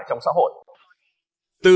trong xã hội từ